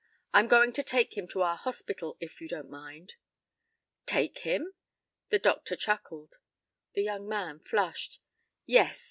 I'm going to take him to our hospital, if you don't mind." "Take him?" the doctor chuckled. The young man flushed, "Yes.